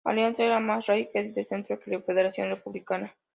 La Alianza era más laica y de centro que la Federación Republicana.